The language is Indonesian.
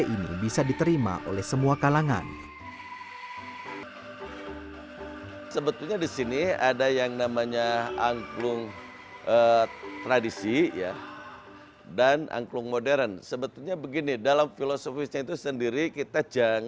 ini disebut tangga nada salendro